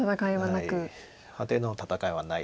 派手な戦いはなく。